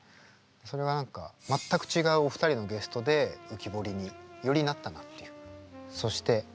それが何か全く違うお二人のゲストで浮き彫りによりなったなっていう。